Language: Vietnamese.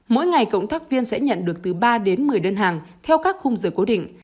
mỗi ngày cộng tác viên sẽ nhận được từ ba đến một mươi đơn hàng theo các khung giờ cố định